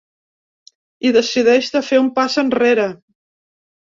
I decideix de fer un pas enrere.